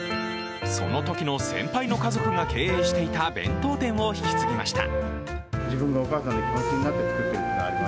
そのときの先輩の家族が経営していた弁当店を引き継ぎました。